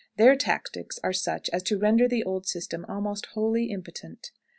Their tactics are such as to render the old system almost wholly impotent.